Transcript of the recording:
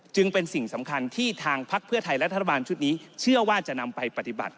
จึงเป็นสิ่งสำคัญที่ทางพักเพื่อไทยและรัฐบาลชุดนี้เชื่อว่าจะนำไปปฏิบัติ